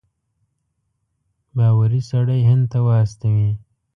باوري سړی هند ته واستوي.